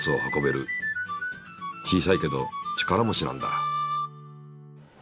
小さいけど力持ちなんだ。